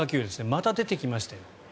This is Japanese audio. また出てきましたよ。